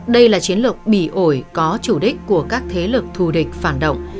đây là chiến lược bị ổi có chủ đích của các thế lực thù địch phản động